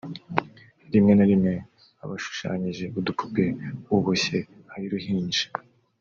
rimwe na rimwe abaashushanyijeho udupupe uboshye ay’uruhinja